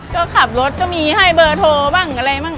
ก็ขับรถก็มีให้เบอร์โทรบ้างอะไรบ้าง